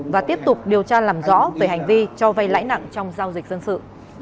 và tiếp tục điều tra làm rõ về hành vi cho vay lãi nặng trong giao dịch dân sự